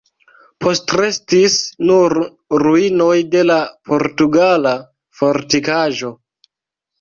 Postrestis nur ruinoj de la portugala fortikaĵo.